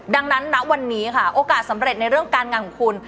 ดังนั้นณวันนี้ค่ะโอกาสสำเร็จในเรื่องการงานของคุณ